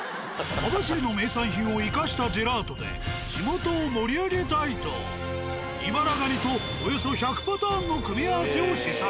網走の名産品を生かしたジェラートで地元を盛り上げたいとイバラ蟹とおよそ１００パターンの組み合わせを試作。